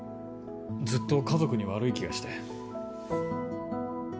ずっと家族に悪い気がして。